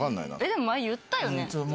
でも前言ったよね？